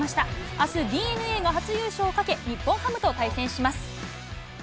あす、ＤｅＮＡが初優勝をかけ、日本ハムと対戦します。